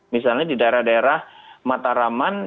misalnya di daerah daerah mataraman